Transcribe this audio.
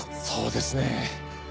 そうですね。